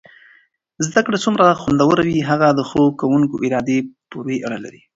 زده کړه څومره خوندور وي هغه د ښو کوونکو ارادې پورې اړه لري.